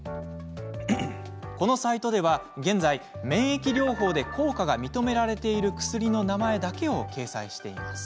このサイトでは現在免疫療法で効果が認められている薬の名前だけを掲載しています。